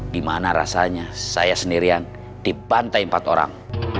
dimana rasanya saya sendiri yang dibantai empat orang